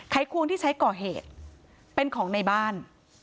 ควงที่ใช้ก่อเหตุเป็นของในบ้าน